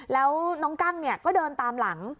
แล้วน้องกั้งก็เดินตามหลัง